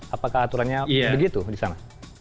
apakah aturannya begitu disana